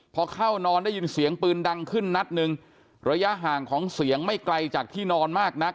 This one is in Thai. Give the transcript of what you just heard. พอเข้านอนได้ยินเสียงปืนดังขึ้นนัดหนึ่งระยะห่างของเสียงไม่ไกลจากที่นอนมากนัก